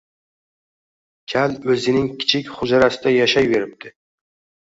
Kal o‘zining kichik hujrasida yashayveribdi